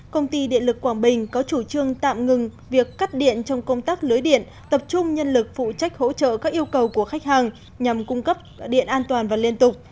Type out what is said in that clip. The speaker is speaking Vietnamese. công ty điện lực quảng bình có chủ trương tạm ngừng việc cắt điện trong công tác lưới điện tập trung nhân lực phụ trách hỗ trợ các yêu cầu của khách hàng nhằm cung cấp điện an toàn và liên tục